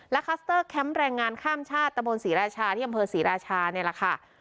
และแคมป์แรงงานข้ามชาติตะโมนศรีราชาที่บำเภอศรีราชาเนี่ยแหละค่ะ